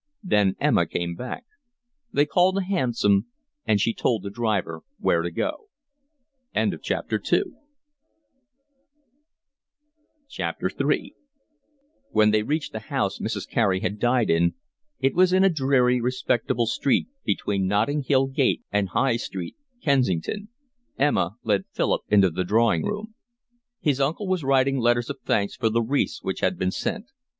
Then Emma came back. They called a hansom, and she told the driver where to go. III When they reached the house Mrs. Carey had died in—it was in a dreary, respectable street between Notting Hill Gate and High Street, Kensington—Emma led Philip into the drawing room. His uncle was writing letters of thanks for the wreaths which had been sent.